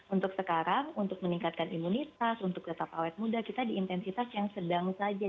untuk sekarang untuk meningkatkan imunitas untuk tetap awet muda kita di intensitas yang sedang saja